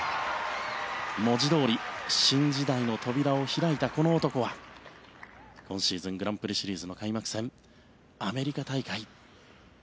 文字どおり新時代の扉を開いたこの男は今シーズングランプリシリーズの開幕戦アメリカ大会